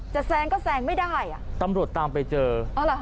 จะแซงก็แซงไม่ได้ตำรวจตามไปเจอเอาเหรอฮะ